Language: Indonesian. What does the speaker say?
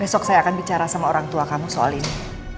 besok saya akan bicara sama orang tua kamu soal ini